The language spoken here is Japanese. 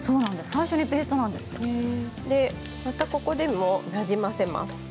最初にペーストまた、ここでもなじませます。